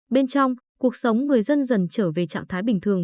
bên trong cuộc sống người dân dần trở về trạng thái bình thường